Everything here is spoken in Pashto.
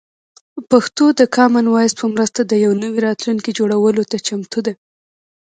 پښتو د کامن وایس په مرسته د یو نوي راتلونکي جوړولو ته چمتو ده.